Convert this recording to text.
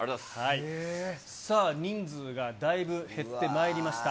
さあ、人数がだいぶ減ってまいりました。